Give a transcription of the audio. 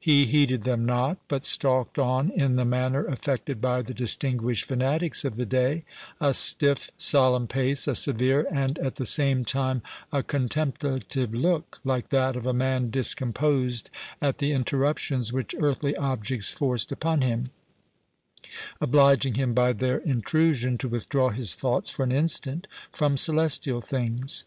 He heeded them not, but stalked on in the manner affected by the distinguished fanatics of the day; a stiff solemn pace, a severe and at the same time a contemplative look, like that of a man discomposed at the interruptions which earthly objects forced upon him, obliging him by their intrusion to withdraw his thoughts for an instant from celestial things.